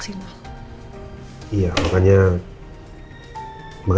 silahkan mbak mbak